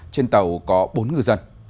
trên tàu có bốn ngư dân